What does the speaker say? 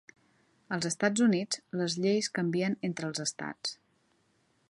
Als Estats Units, les lleis canvien entre els estats.